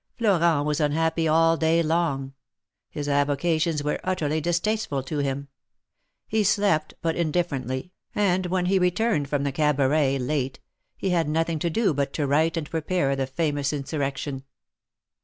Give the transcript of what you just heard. Florent was unhappy all day long. His avocations were utterly distasteful to him. He slept but indiffer ently, and when he returned from the Cabaret late, he had nothing to do but to write and prepare the famous insur rection.